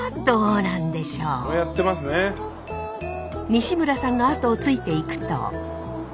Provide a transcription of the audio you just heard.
西村さんのあとをついていくと。